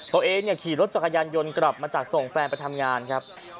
ตัวเองขี่รถจักรยานยนต์กลับมาจากส่งแฟนไปทำงานครับ